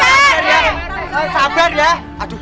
ntar juga pak rt nya keluar